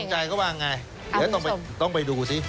คุณสมใจเขาว่าอย่างไรเดี๋ยวต้องไปดูสิ